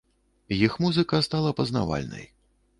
Іх музыка стала пазнавальнай.